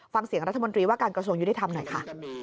ฟังเสียงรัฐมนตรีว่าการกระทรวงยุติธรรมหน่อยค่ะ